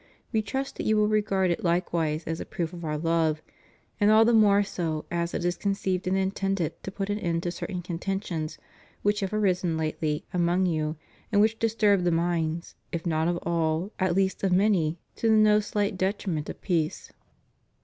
We trust that you will regard it hkewise as a proof of Our love; and all the more so as it is conceived and intended to put an end to certain contentions which have arisen lately among you, and which disturb the minds, if not of aU, at least of many, to the no sHght detriment of peace.